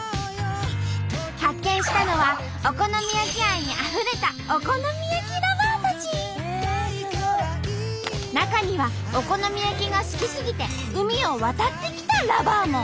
発見したのはお好み焼き愛にあふれた中にはお好み焼きが好き過ぎて海を渡ってきたＬｏｖｅｒも！